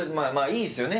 いいですよね？